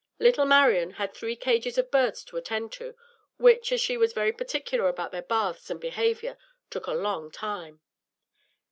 Little Marian had three cages of birds to attend to, which, as she was very particular about their baths and behavior, took a long time.